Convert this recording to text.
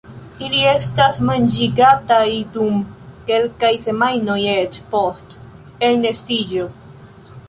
Ili estas manĝigataj dum kelkaj semajnoj eĉ post elnestiĝo.